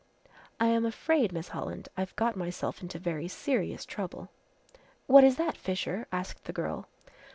"I am afraid, Miss Holland, I've got myself into very serious trouble." "What is that, Fisher!" asked the girl.